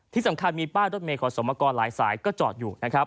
ที่สำคัญมีบ้านรถเมฆของสมกรหลายสายก็จอดอยู่